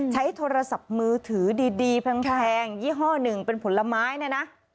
ใช้โทรศัพท์มือถือดีแพงยี่ห้อหนึ่งเป็นผลไม้เนี่ยนะ